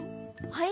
はい？